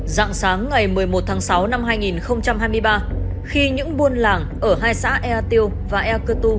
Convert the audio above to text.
dạng sáng ngày một mươi một tháng sáu năm hai nghìn hai mươi ba khi những buôn làng ở hai xã ea tiêu và ea cơ tu